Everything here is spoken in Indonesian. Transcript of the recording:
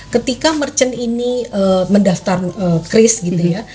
ketika merchant ini mendaftar chris gitu ya